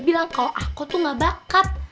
bilang kalau aku tuh gak bakat